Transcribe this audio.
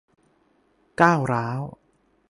ก้าวร้าว